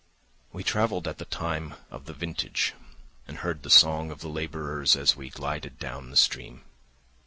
We travelled at the time of the vintage and heard the song of the labourers as we glided down the stream.